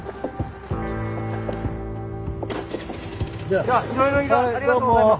ありがとうございます。